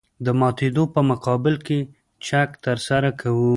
د ماتېدو په مقابل کې چک ترسره کوو